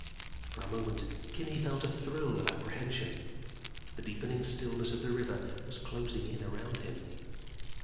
For a moment, Kimmy felt a thrill of apprehension. The deepening stillness of the river was closing in around him.